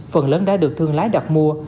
phần lớn đã được thương lái đặt mua